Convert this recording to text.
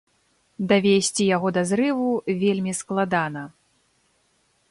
Давесці яго да зрыву вельмі складана.